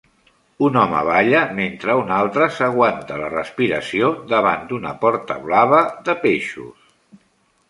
Un home balla mentre un altre s'aguanta la respiració davant d'una porta blava de peixos.